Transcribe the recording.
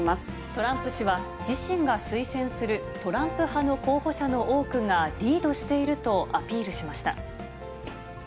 トランプ氏は自身が推薦するトランプ派の候補者の多くがリードしているとアピールしました。